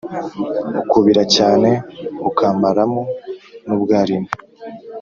Ukubira cyane ukamaramo n’ubwalimo.